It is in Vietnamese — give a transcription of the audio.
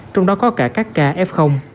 trong đó có cả các cái f